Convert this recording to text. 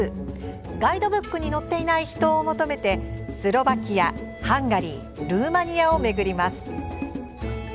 ガイドブックに載っていない秘湯を求めてスロバキアハンガリー、ルーマニアを巡ります。